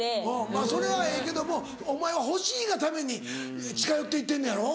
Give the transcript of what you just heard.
まぁそれはええけどもお前は欲しいがために近寄っていってんねやろ？